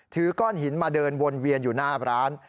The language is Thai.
ถือก้อนหินมาเดินวนเวียนอยู่หน้าร้าน